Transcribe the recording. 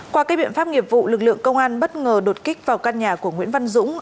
qua các biện pháp nghiệp vụ lực lượng công an bất ngờ đột kích vào căn nhà của nguyễn văn dũng